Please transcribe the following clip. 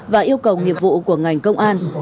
và yêu cầu nghiệp vụ của ngành công an